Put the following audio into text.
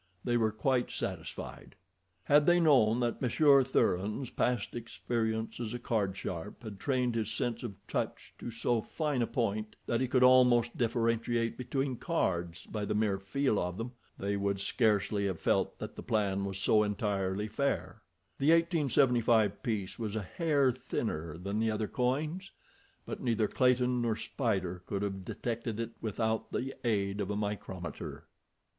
They were quite satisfied. Had they known that Monsieur Thuran's past experience as a card sharp had trained his sense of touch to so fine a point that he could almost differentiate between cards by the mere feel of them, they would scarcely have felt that the plan was so entirely fair. The 1875 piece was a hair thinner than the other coins, but neither Clayton nor Spider could have detected it without the aid of a micrometer.